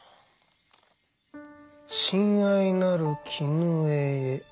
「親愛なる絹枝へ。